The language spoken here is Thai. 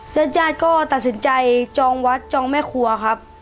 ญาติญาติก็ตัดสินใจจองวัดจองแม่ครัวครับ